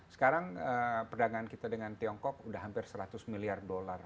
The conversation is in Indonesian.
sekarang perdagangan kita dengan tiongkok sudah hampir seratus miliar dolar